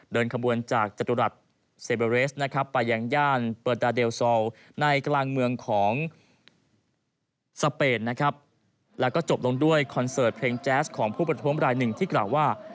เดินขบวนจากจัตุรัสเซเบอร์เรสนะครับ